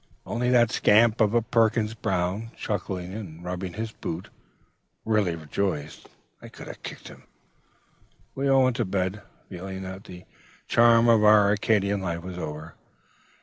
Only that scamp of a Perkins Brown, chuckling and rubbing his boot, really rejoiced. I could have kicked him. "We all went to bed, feeling that the charm of our Arcadian life was over....